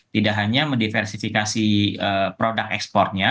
tidak hanya mendiversifikasi produk ekspornya